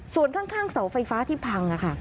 ส่วนข้างเสาไฟฟ้าที่พังค่ะ